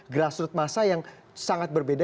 grassroots massa yang sangat berbeda